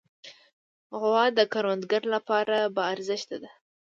غوا د کروندګرو لپاره باارزښته ده.